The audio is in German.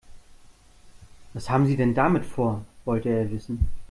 Was haben Sie denn damit vor?, wollte er wissen.